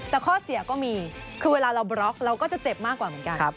แต่ข้อเสียก็มีคือเวลาเราบล็อกเราก็จะเจ็บมากกว่าเหมือนกัน